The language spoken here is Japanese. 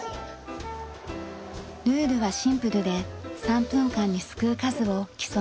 ルールはシンプルで３分間にすくう数を競います。